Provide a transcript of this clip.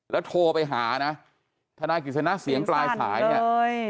แล้วโทรไปหานะทนายกิจสนะเสียงปลายสายเนี่ย